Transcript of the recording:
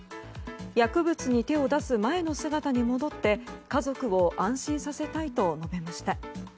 薬物に手を出す前の姿に戻って家族を安心させたいと述べました。